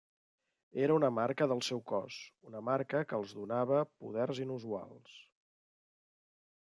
Era una marca del seu cos, una marca que els donava poders inusuals.